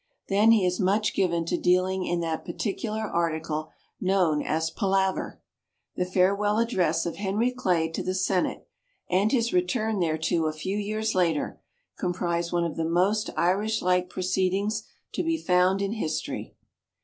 Then he is much given to dealing in that peculiar article known as palaver. The farewell address of Henry Clay to the Senate, and his return thereto a few years later, comprise one of the most Irishlike proceedings to be found in history.